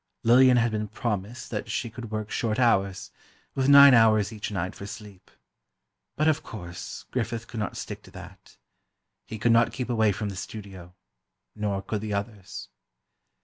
Lillian had been promised that she could work short hours, with nine hours each night for sleep. But of course, Griffith could not stick to that. He could not keep away from the studio; nor could the others.